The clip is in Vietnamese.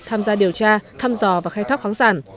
tham gia điều tra thăm dò và khai thác khoáng sản